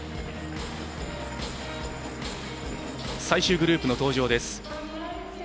最終グループの登場です。